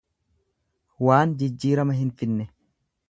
Waan jijjiirama hin finne.